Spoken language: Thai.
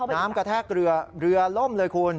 น้ำกระแทกเหลือล่มเลยคุณ